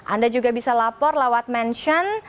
anda juga bisa lapor lewat mention